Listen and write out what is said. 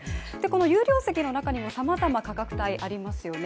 有料席の中にもさまざま価格帯ありますよね。